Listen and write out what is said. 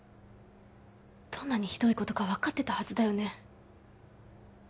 どんなにひどいことか分かってたはずだよね？